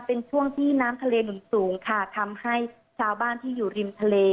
เป็นช่วงที่น้ำทะเลหนุนสูงค่ะทำให้ชาวบ้านที่อยู่ริมทะเล